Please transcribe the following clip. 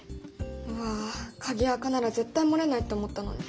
うわあ鍵アカなら絶対漏れないって思ったのに。